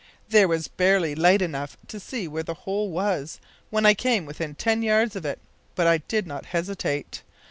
There was barely light enough to see where the hole was when I came within ten yards of it, but I did not hesitate.